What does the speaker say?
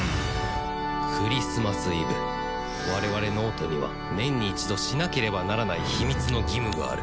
クリスマスイブ我々脳人には年に一度しなければならない秘密の義務がある